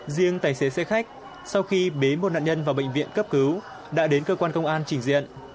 riêng tài xế xe khách sau khi bế một nạn nhân vào bệnh viện cấp cứu đã đến cơ quan công an trình diện